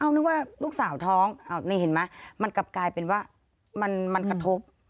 นึกว่าลูกสาวท้องนี่เห็นไหมมันกลับกลายเป็นว่ามันกระทบ